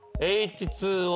Ｈ２Ｏ。